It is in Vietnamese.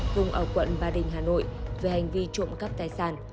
cùng ở quận ba đình hà nội về hành vi trộm cắp tài sản